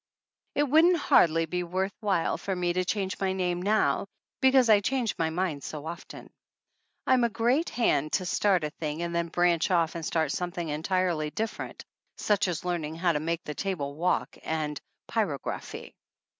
It wouldn't hardly be worth while for me to change my name now, because I change my mind so often. I'm a g~eat hand to start a thing and then branch off a. id start something entirely different, such as learning how to make the table walk, and pyrography.